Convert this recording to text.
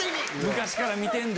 昔から見てんで！